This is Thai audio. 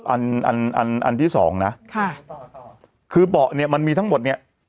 อันอันอันอันที่สองนะค่ะคือเบาะเนี่ยมันมีทั้งหมดเนี้ย